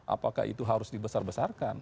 apakah itu harus dibesar besarkan